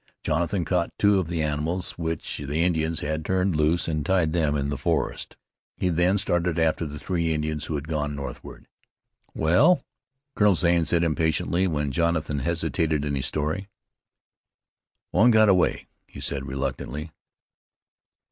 Jonathan caught two of the animals which the Indians had turned loose, and tied them in the forest. He then started after the three Indians who had gone northward. "Well?" Colonel Zane said impatiently, when Jonathan hesitated in his story. "One got away," he said reluctantly.